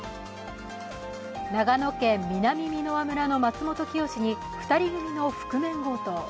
長野県南箕輪村のマツモトキヨシに２人組の覆面強盗。